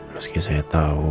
meski saya tahu